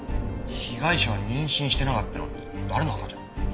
被害者は妊娠してなかったのに誰の赤ちゃん？